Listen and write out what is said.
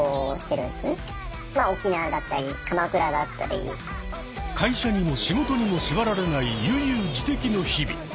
通称会社にも仕事にも縛られない悠々自適の日々。